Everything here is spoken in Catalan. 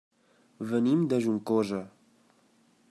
Venim de Juncosa.